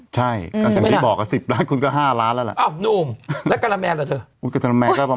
ใช่อย่างที่บอก๑๐ล้านคุณก็๕ล้านแล้วแหละ